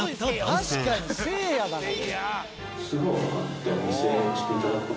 「確かにせいやだなこれ」